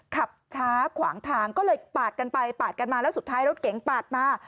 ขับช้าขวางทางก็เลยปาดกันไปปาดกันมาแล้วสุดท้ายรถเก๋งปาดมา